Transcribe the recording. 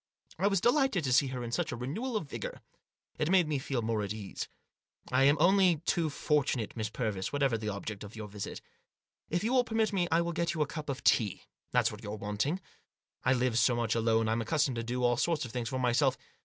I was delighted to see in her such a renewal of vigour. It made me feel more at my ease. " I am only too fortunate, Miss Purvis, whatever the object of your visit. If you will permit me I will get you a cup of tea ; that's what you're wanting. I live so much alone I'm accustomed to do all sorts of things for myself.